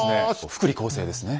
福利厚生ですね。